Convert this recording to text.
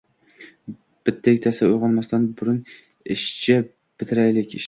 Bitta-ikkitasi uyg‘onmasdan burun ishshi bitiraylik!»